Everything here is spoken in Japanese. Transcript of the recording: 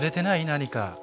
何か。